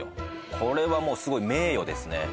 これはすごい名誉ですね